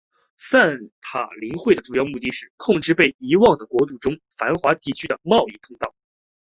散塔林会的主要目的是控制被遗忘的国度中繁华地区的贸易通道。